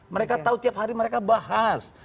mereka tahu tiap hari mereka bahas